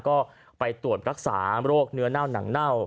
ก็ไปตรวจรักษาโรคเนื้อเน่าหนังเน่า